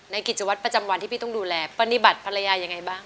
กิจวัตรประจำวันที่พี่ต้องดูแลปฏิบัติภรรยายังไงบ้าง